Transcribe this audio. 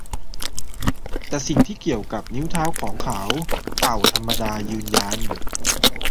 แต่สิ่งที่เกี่ยวกับนิ้วเท้าของเขา เต่าธรรมดายืนยัน